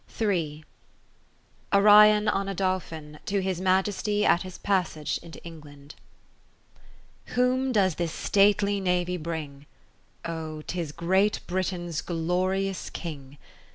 Arion 011 a Dolphin, To his Majesty at his passage into E norland Whom does this stately navy bring? O ! 'tis Great Britain's glorious King.